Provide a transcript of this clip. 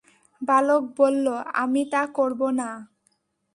বালক বলল, আমি তা করব না।